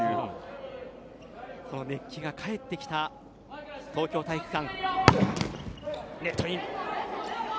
この熱気が帰ってきた東京体育館。